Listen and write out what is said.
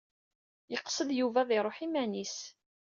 Yeqsed Yuba ad iṛuḥ iman-is.